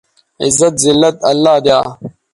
عزت، زلت اللہ دیا